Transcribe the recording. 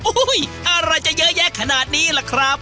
อะไรจะเยอะแยะขนาดนี้ล่ะครับ